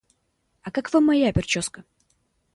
А как Вам моя прическа?